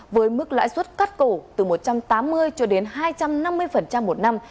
với mức lãi suất cắt cổ từ một trăm tám mươi cho đến hai trăm năm mươi một năm